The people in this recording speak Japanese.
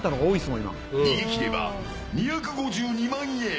逃げ切れば２５２万円。